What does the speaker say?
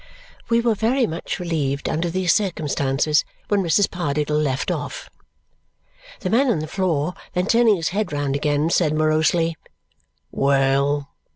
We were much relieved, under these circumstances, when Mrs. Pardiggle left off. The man on the floor, then turning his head round again, said morosely, "Well!